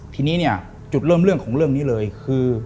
ทีนี้เนี่ยจุดเริ่มเรื่องของเรื่องนี้เลยคือ